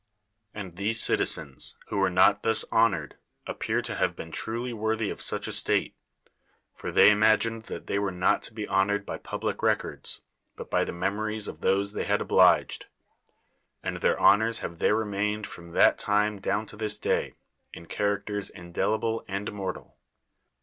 And these citizens, who were not thus ho!iored. appear to have been truly worthy of such a state ; for they ima.crined that they were not to be honored by public rec ords, but by the memories of those they had oblifrcd: and their honors have ther(^ reinained from that time down to this day in characters indelible and immortal.